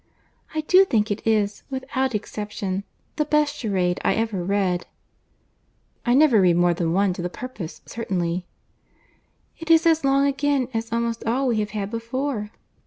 "I do think it is, without exception, the best charade I ever read." "I never read one more to the purpose, certainly." "It is as long again as almost all we have had before."